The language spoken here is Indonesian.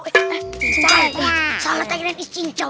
eh eh salah tagihannya is cincau